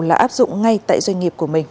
là áp dụng ngay tại doanh nghiệp của mình